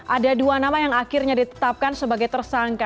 ada dua nama yang akhirnya ditetapkan sebagai tersangka